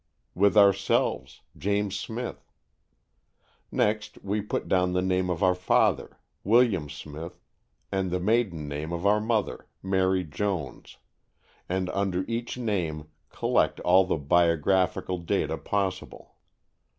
With ourselves, James Smith! Next we put down the name of our father, William Smith, and the maiden name of our mother, Mary Jones, and under each name collect all the biographical data possible.